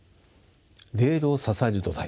レールを支える土台